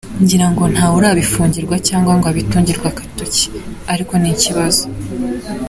Ngira ngo ntawe urabifungirwa cyangwa ngo abitungirwe agatoki, ariko ni ikibazo.